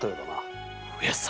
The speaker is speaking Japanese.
上様！